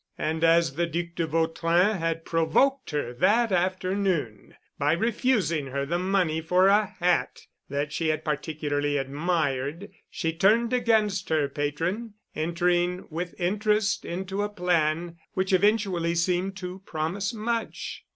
And as the Duc de Vautrin had provoked her that afternoon by refusing her the money for a hat that she particularly admired, she turned against her patron, entering with interest into a plan which eventually seemed to promise much.